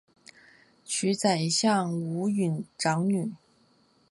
娶宰相吴充长女。